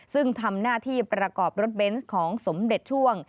ซึ่งทำหน้าที่ประกอบรถเบนส์ของสมเด็จช่วง